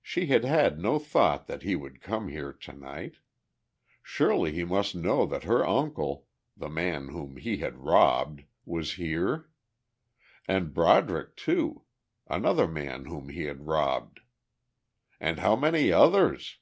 She had had no thought that he would come here tonight. Surely he must know that her uncle, the man whom he had robbed, was here! And Broderick, too another man whom he had robbed! And how many others?